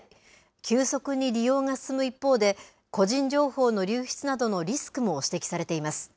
急速に利用が進む一方で、個人情報の流出などのリスクも指摘されています。